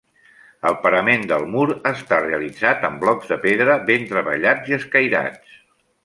El parament del mur està realitzat amb blocs de pedra ben treballats i escairats.